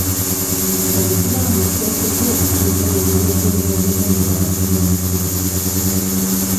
Obusiraamu buteekeddwa kutumbula mirembe n'obumu mu bantu mu bitundu.